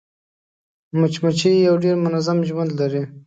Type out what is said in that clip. مچمچۍ یو ډېر منظم ژوند لري